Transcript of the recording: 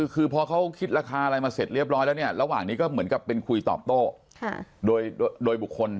คือพอเขาคิดราคาอะไรมาเสร็จเรียบร้อยแล้วเนี่ยระหว่างนี้ก็เหมือนกับเป็นคุยตอบโต้โดยบุคคล